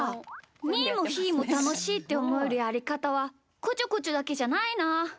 みーも、ひーもたのしいっておもえるやりかたはこちょこちょだけじゃないな。